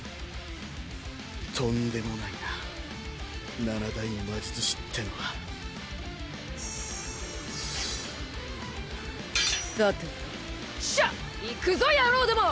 とんでもないな七大魔術師ってのはさてとしゃあ行くぞ野郎ども！